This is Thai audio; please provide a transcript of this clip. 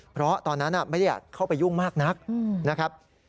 เพราะตอนนั้นไม่ได้อยากเข้าไปยุ่งมากนักนะครับ